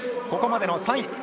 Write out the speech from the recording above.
ここまでの３位。